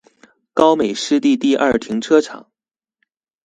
高美濕地第二停車場